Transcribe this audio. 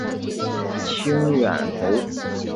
清远侯。